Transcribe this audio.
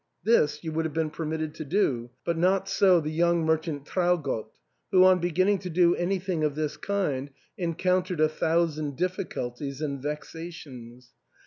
This you would have been permitted to do, but not so the young merchant Traugott, who, on be ginning to do anything of this kind, encountered a thousand difficulties and vexations.